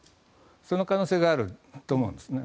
その可能性があると思うんですね。